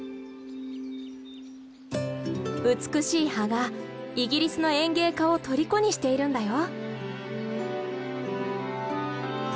美しい葉がイギリスの園芸家を虜にしているんだよ。